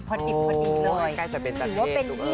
กล้ายจะเป็นตัดเกษตร์ถูกเลย